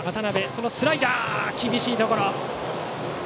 そのスライダー、厳しいところ。